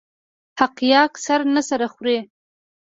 حقایق سر نه سره خوري.